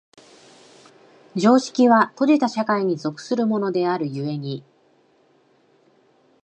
常識は閉じた社会に属するものである故に、